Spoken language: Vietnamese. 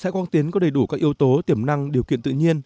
sẽ quang tiến có đầy đủ các yếu tố tiềm năng điều kiện tự nhiên